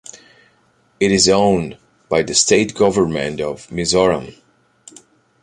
It is owned by the State Government of Mizoram.